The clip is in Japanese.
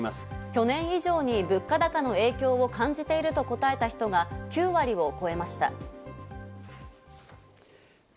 去年以上に物価高の影響を感じていると答えた人が９割を超えました。